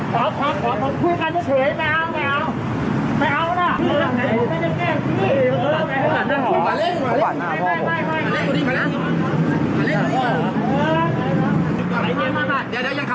อย่างไรพี่ขอพวกคุยกันเถอะเถยไปเอา